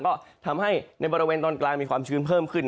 ก็ทำให้ในบริเวณตอนกลางมีความชื้นเพิ่มขึ้น